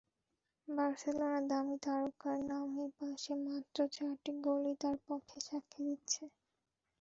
বার্সেলোনার দামি তারকার নামের পাশে মাত্র চারটি গোলই তাঁর পক্ষে সাক্ষী দিচ্ছে।